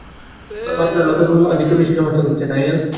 বাচ্চারা, লতাগুল্মগুলো আজ একটু বেশি সমস্যা করছে, তাই না?